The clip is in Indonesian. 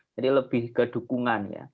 jadi lebih kedukungan ya